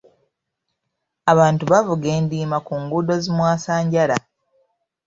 Abantu bavuga endiima ku nguudo zi mwasanjala.